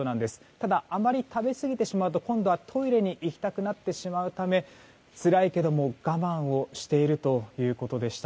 ただ、あまり食べすぎてしまうと今度はトイレに行きたくなってしまうためつらいけども我慢しているということでした。